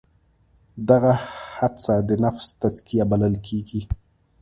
دغه هڅه د نفس تزکیه بلل کېږي.